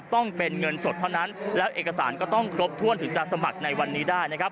ต้องเป็นเงินสดเท่านั้นแล้วเอกสารก็ต้องครบถ้วนถึงจะสมัครในวันนี้ได้นะครับ